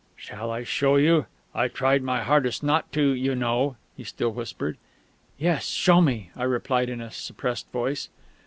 "Shall I show you?... I tried my hardest not to, you know,..." he still whispered. "Yes, show me!" I replied in a suppressed voice.